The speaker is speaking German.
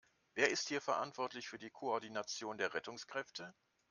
Wer ist hier verantwortlich für die Koordination der Rettungskräfte?